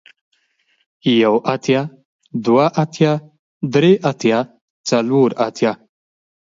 يو اتيا ، دوه اتيا ، دري اتيا ، څلور اتيا ،